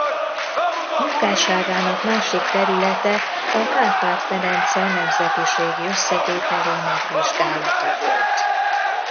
Munkásságának másik területe a Kárpát-medence nemzetiségi összetételének vizsgálata volt.